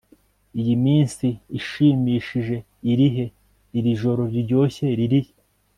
iyi minsi ishimishije irihe, iri joro riryoshye ririhe